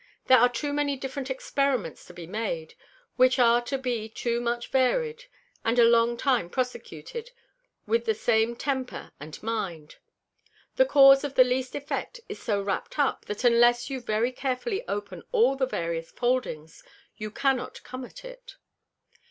There are too many different Experiments to be made, which are to be too much vary'd, and a long time prosecuted with the same Temper and Mind. The Cause of the least Effect is so wrap'd up, that unless you very carefully open all the various Foldings, you cannot come at it.